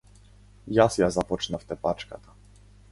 Јас ја започнав тепачката.